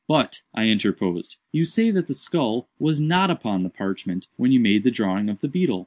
"But," I interposed, "you say that the skull was not upon the parchment when you made the drawing of the beetle.